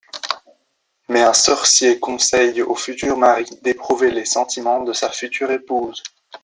Mais un sorcier conseille au futur mari d'éprouver les sentiments de sa future épouse.